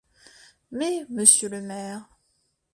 Mais, monsieur le maire…